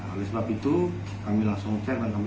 oleh sebab itu kami langsung cek